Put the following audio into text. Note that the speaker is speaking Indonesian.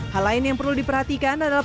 hal lain yang perlu diperhatikan adalah